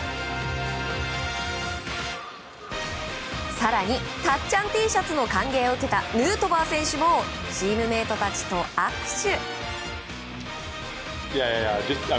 更にたっちゃんＴシャツの歓迎を受けたヌートバー選手もチームメートたちと握手。